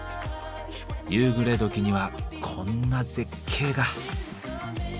夕暮れ時にはこんな絶景が。